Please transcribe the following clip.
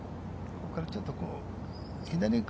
ここからちょっと左に来